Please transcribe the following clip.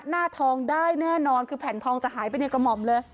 หน้าทองได้แน่นอนคือแผ่นทองจะหายไปในกระหม่อมเลย